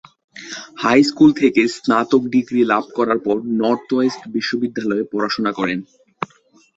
High school থেকে স্নাতক degree লাভ করার পর নর্থ ওয়েস্ট বিশ্ববিদ্যালয়ে পড়াশোনা করেন।